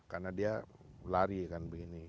karena dia lari kan begini